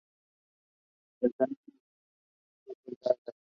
El topónimo literalmente significa "puerta alta".